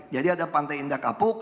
jadi ada pantai indah kapuk